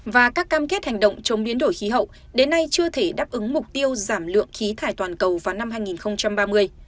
và các cam kết hành động chống biến đổi khí hậu đến nay chưa thể đáp ứng mục tiêu giảm lượng khí thải toàn cầu vào năm hai nghìn ba mươi